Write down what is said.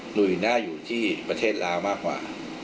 ลุยน่าอยู่ที่ประเทศลาวมากกว่า